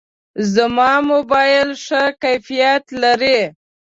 زما موبایل ښه کیفیت لري.